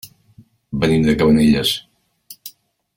Venim de Cabanelles.